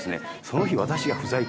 その日。